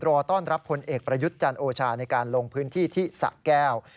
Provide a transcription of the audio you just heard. รอต้อนรับผลเอกประยุทธ์จันทร์โอชาในการลงพื้นที่ที่สะแก้ว